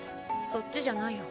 そっちじゃないよ。